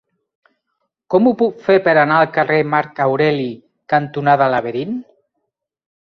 Com ho puc fer per anar al carrer Marc Aureli cantonada Laberint?